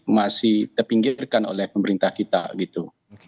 masih terpinggirkan oleh pemerintah kita gitu